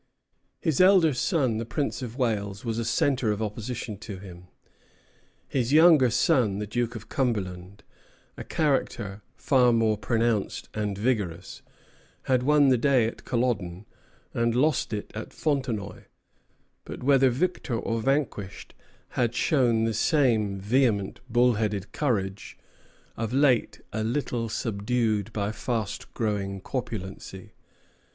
His elder son, the Prince of Wales, was a centre of opposition to him. His younger son, the Duke of Cumberland, a character far more pronounced and vigorous, had won the day at Culloden, and lost it at Fontenoy; but whether victor or vanquished, had shown the same vehement bull headed courage, of late a little subdued by fast growing corpulency.